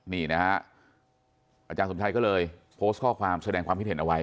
นี่นะฮะอาจารย์สมชัยก็เลยโพสต์ข้อความแสดงความคิดเห็นเอาไว้